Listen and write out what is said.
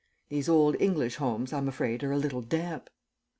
These old English homes I'm afraid are a little damp."